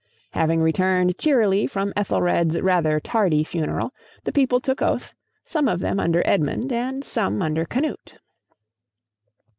Having returned cheerily from Ethelred's rather tardy funeral, the people took oath, some of them under Edmund and some under Canute.